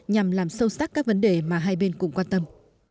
nhằm làm sâu sắc các vấn đề mà hai bên cùng quan tâm